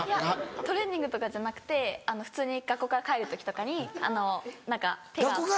トレーニングとかじゃなくて普通に学校から帰る時とかにあの何か手が。